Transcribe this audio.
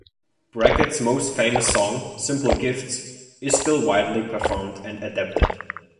Brackett's most famous song, "Simple Gifts", is still widely performed and adapted.